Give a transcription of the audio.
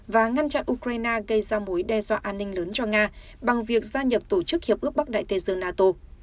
và ngăn chặn ukraine gây ra mối đe dọa an ninh lớn cho nga bằng việc gia nhập tổ chức hiệp ước bắc đại tây dương nato